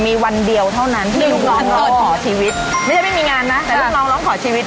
มีวันเดียวเท่านั้นที่ลูกน้องขอขอชีวิต